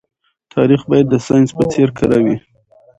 تاريخ بايد د ساينس په څېر کره وي.